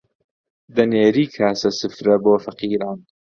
دەنێری کاسە سفرە بۆ فەقیران